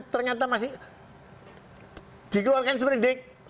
ternyata masih dikeluarkan seperti ini